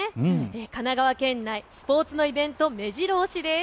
神奈川県内、スポーツのイベント、めじろ押しです。